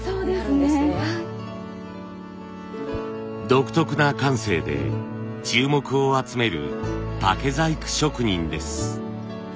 独特な感性で注目を集める竹細工職人です。